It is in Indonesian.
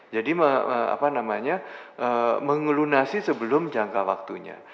jadi apa namanya mengelunasi sebelum jangka waktunya